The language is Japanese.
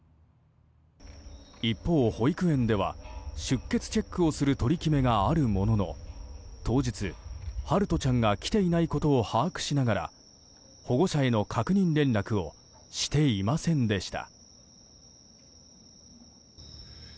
一方、保育園では出欠チェックをする取り決めがあるものの当日、陽翔ちゃんが来ていないことを把握しながら保護者への確認連絡をしていませんでした。